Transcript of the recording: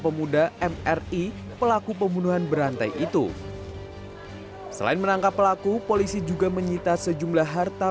pemuda mri pelaku pembunuhan berantai itu selain menangkap pelaku polisi juga menyita sejumlah harta